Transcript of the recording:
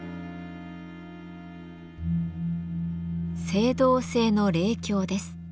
青銅製の鈴鏡です。